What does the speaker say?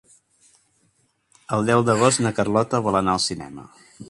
El deu d'agost na Carlota vol anar al cinema.